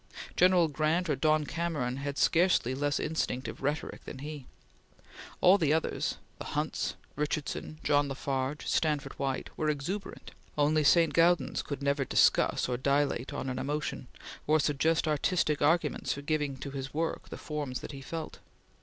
General Grant or Don Cameron had scarcely less instinct of rhetoric than he. All the others the Hunts, Richardson, John La Farge, Stanford White were exuberant; only St. Gaudens could never discuss or dilate on an emotion, or suggest artistic arguments for giving to his work the forms that he felt.